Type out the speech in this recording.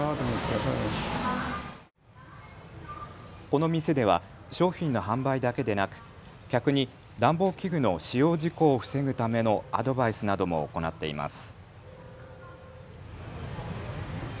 この店では商品の販売だけでなく客に暖房器具の使用事故を防ぐためのアドバイスなども行っています。